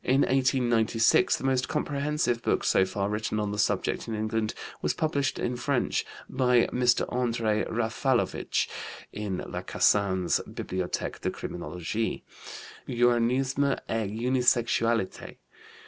In 1896 the most comprehensive book so far written on the subject in England was published in French by Mr. André Raffalovich (in Lacassagne's Bibliothèque de Criminologie), Uranisme et Unisexualité.